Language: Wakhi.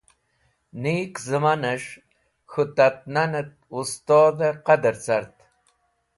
Neek Zẽmanes̃h K̃hu Tat Nanet Wustodh Qadr cart